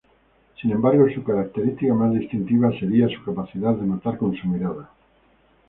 Sin embargo su característica más distintiva sería su capacidad de matar con su mirada.